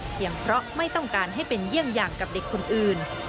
เพราะไม่ต้องการให้เป็นเยี่ยงอย่างกับเด็กคนอื่น